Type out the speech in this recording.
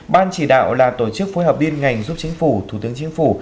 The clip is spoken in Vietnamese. ban chỉ đạo là tổ chức phối hợp liên ngành giúp chính phủ thủ tướng chính phủ